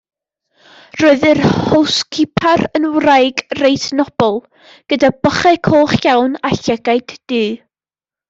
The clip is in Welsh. Roedd yr howscipar yn wraig reit nobl, gyda bochau coch iawn a llygaid du.